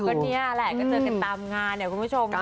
ก็นี่แหละก็เจอกันตามงานเนี่ยคุณผู้ชมนะ